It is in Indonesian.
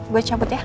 gue cabut ya